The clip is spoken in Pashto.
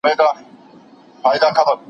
هغه تاريخ چي رښتيا وي ارزښت لري.